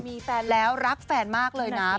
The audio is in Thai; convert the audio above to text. มีแฟนแล้วรักแฟนมากเลยนะ